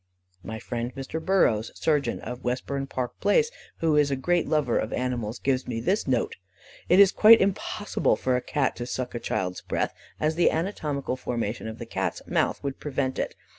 My friend Mr. Burrows, surgeon, of Westbourne Park Place, who is a great lover of animals, gives me this note: "It is quite impossible for a Cat to suck a child's breath, as the anatomical formation of the Cat's mouth would prevent it.